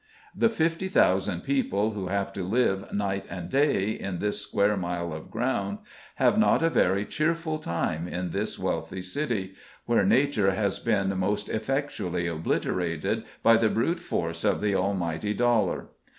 The 50,000 people who have to live night and day on this square mile of ground have not a very cheerful time in this wealthy city, where nature has been most effectually obliterated by the brute force of the almighty dollar.